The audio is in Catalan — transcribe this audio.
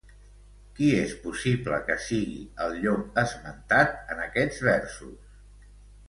Qui és possible que sigui, el llop esmentat en aquests versos?